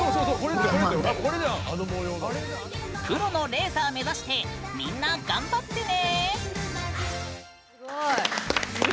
プロのレーサー目指して、みんな頑張ってね！